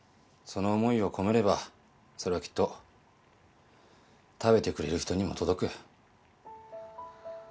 その思いを込めればそれはきっと食べてくれる人にも届く。